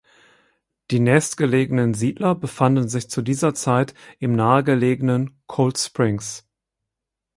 Die nächstgelegenen Siedler befanden sich zu dieser Zeit im nahegelegenen Cold Springs.